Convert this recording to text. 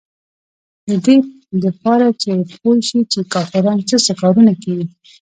د دې دپاره چې پوې شي چې کافران سه سه کارونه کيي.